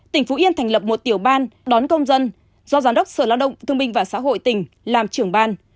tỉnh phú yên thành lập một tiểu ban đón công dân do giám đốc sở lao động thương minh và xã hội tỉnh làm trưởng ban